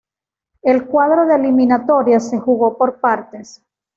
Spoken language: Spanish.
El cuadro de eliminatorias se jugó por partes.